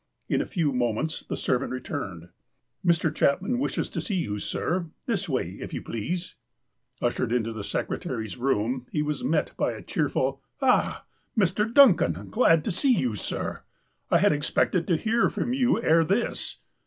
In a few moments the servant returned. "Mr. Cluipmau wishes to see you, sir. This way, if you plesise." "THY SERVANT HEARETH" 29 Ushered into the secretary's room, he was met by a> cheerful : ''Ah, Mr. Duncan, glad to see you, sir. I had ex pected to hear from you ere this."